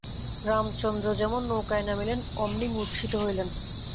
রামচন্দ্র যেমন নৌকায় নামিলেন অমনি মূর্ছিত হইলেন।